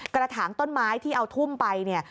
กระถางต้นไม้ที่เอาทุ่มไปเนี่ย